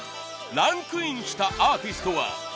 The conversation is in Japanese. ランクインしたアーティストは。